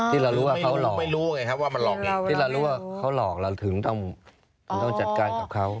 ที่เรารู้ว่าเขาหลอกที่เรารู้ว่าเขาหลอกเราถึงต้องจัดการกับเขา